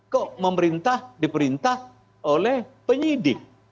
kok memerintah diperintah oleh penyidik